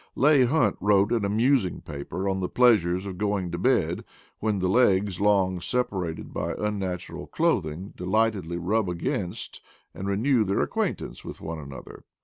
Leigh Hunt wrote an amusing paper on the pleasures of going to bed, when the legs, long separated by unnatural clothing, delightedly rub against and renew their acquaintance with one another.